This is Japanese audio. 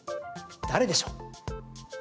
誰でしょう？